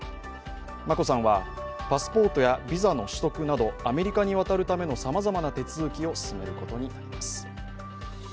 眞子さんはパスポートやビザの取得など、アメリカに渡るためのさまざまな手続きを進めることになります。